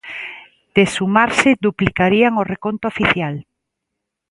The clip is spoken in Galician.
De sumarse, duplicarían o reconto oficial.